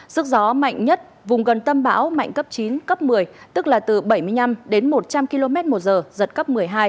sức gió mạnh nhất vùng gần tâm bão mạnh cấp chín cấp một mươi tức là từ bảy mươi năm đến một trăm linh km một giờ giật cấp một mươi hai